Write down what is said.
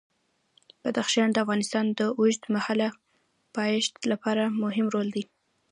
بدخشان د افغانستان د اوږدمهاله پایښت لپاره مهم رول لري.